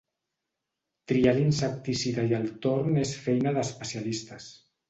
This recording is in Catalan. Triar l'insecticida i el torn és feina d'especialistes.